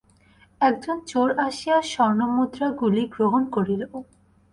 একজন চোর আসিয়া স্বর্ণমুদ্রাগুলি গ্রহণ করিল।